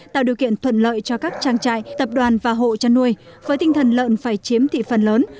tạo điều kiện thuận lợi cho các trang trại tập đoàn và hộ chăn nuôi với tinh thần lợn phải chiếm thị phần lớn